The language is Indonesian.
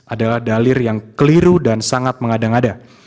adalah dalil yang keliru dan sangat mengada ngada